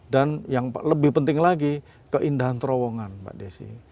dan yang lebih penting lagi keindahan terowongan mbak desy